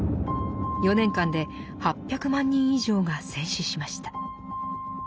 ４年間で８００万人以上が戦死しました。